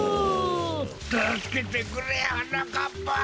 たすけてくれはなかっぱ！